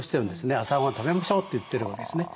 朝ごはん食べましょうって言ってるわけですね。